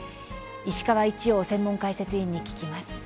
石川一洋専門解説委員に聞きます。